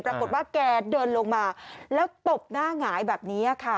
ปรากฏว่าแกเดินลงมาแล้วตบหน้าหงายแบบนี้ค่ะ